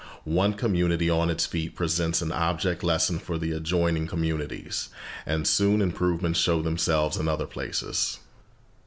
One community on its feet presents an object lesson for the adjoining communities, and soon improvements show themselves in other places.